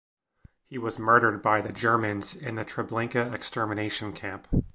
He was murdered by the Germans in the Treblinka extermination camp.